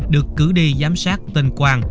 được cử đi giám sát tên quang